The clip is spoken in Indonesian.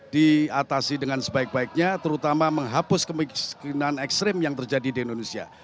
diatasi dengan sebaik baiknya terutama menghapus kemiskinan ekstrim yang terjadi di indonesia